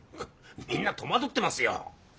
みんな戸惑ってますよ。